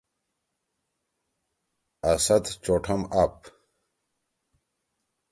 اسد چوٹھم آپ۔